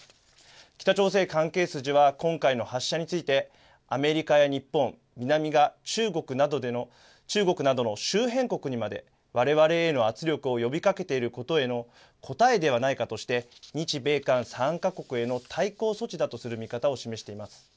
北朝鮮関係筋は今回の発射について、アメリカや日本、南が中国などの周辺国にまでわれわれへの圧力を呼びかけていることへの答えではないかとして、日米韓３か国への対抗措置だとする見方を示しています。